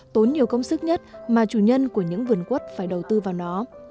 tốn nhiều công sức nhất mà chủ nhân của những vườn quất phải đầu tư vào nó